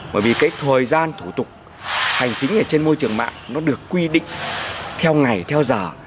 bởi vì cái thời gian thủ tục hành chính ở trên môi trường mạng nó được quy định theo ngày theo giờ